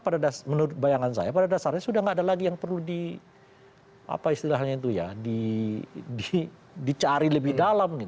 supaya karena memang menurut bayangan saya pada dasarnya sudah tidak ada lagi yang perlu dicari lebih dalam